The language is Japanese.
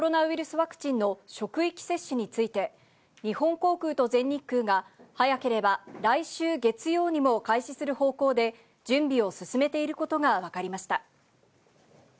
ワクチンの職域接種について、日本航空と全日空が、早ければ来週月曜にも開始する方向で準備を進めていることが分かりました。